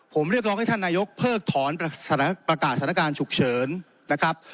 ผมเรียกร้องให้ท่านนายกเพิกถอนประกาศสถานการณ์ฉุกเฉินนะครับ